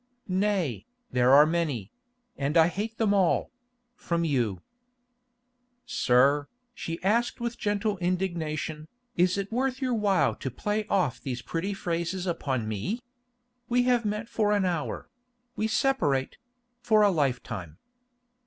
"Nay, there are many; and I hate them all—from you." "Sir," she asked with gentle indignation, "is it worth your while to play off these pretty phrases upon me? We have met for an hour; we separate—for a lifetime."